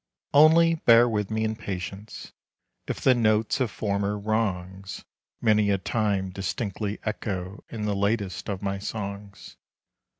Only bear with me in patience, If the notes of former wrongs Many a time distinctly echo In the latest of my songs.